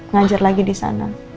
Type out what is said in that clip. ngajar lagi disana